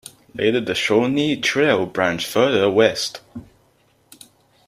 Later the Shawnee Trail branched further west.